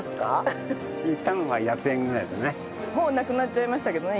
もうなくなっちゃいましたけどね